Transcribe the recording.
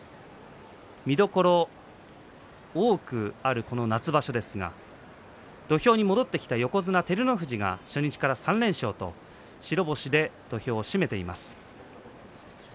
見どころ多くあるこの夏場所ですが土俵に戻ってきた横綱照ノ富士が初日から３連勝と白星で土俵を締めています。